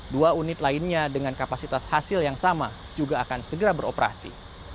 dua unit lainnya dengan kapasitas hasil yang sama juga akan segera beroperasi